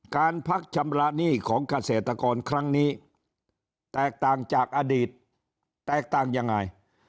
การพักชำระหนี้ของเกษตรกรครั้งนี้แตกต่างจากอดีตแตกต่างยังไง